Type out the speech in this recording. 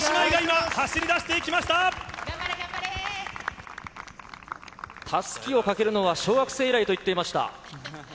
たすきをかけるのは小学生以来とおっしゃっていました。